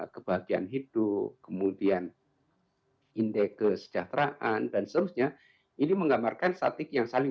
kebahagiaan hidup kemudian indeks kesejahteraan dan seterusnya ini menggambarkan statik yang saling